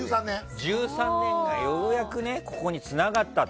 １３年でようやくここにつながったと。